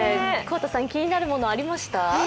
河田さん、気になるものありました？